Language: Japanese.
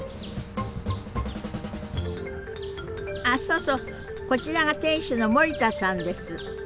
あそうそうこちらが店主の森田さんです。